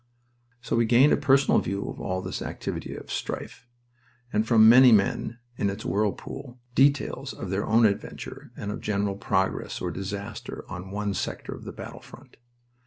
So we gained a personal view of all this activity of strife, and from many men in its whirlpool details of their own adventure and of general progress or disaster on one sector of the battle front.